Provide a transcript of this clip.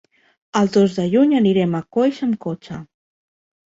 El dos de juny anirem a Coix amb cotxe.